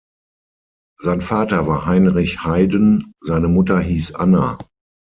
Sein Vater war Heinrich Haiden, seine Mutter hieß Anna.